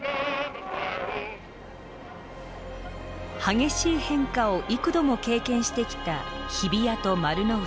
激しい変化を幾度も経験してきた日比谷と丸の内。